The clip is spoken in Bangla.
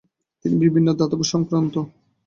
তিনি বিভিন্ন ধাতব সংক্রান্ত ও